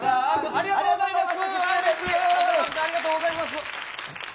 ありがとうございます。